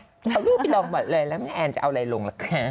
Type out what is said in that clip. เอารูปดีอันแอแกจะเอาอะไรลงละคะ